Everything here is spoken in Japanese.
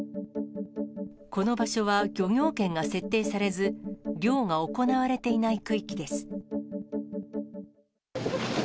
この場所は漁業権が設定されず、漁が行われていない区域です。